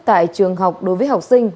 tại trường học đối với học sinh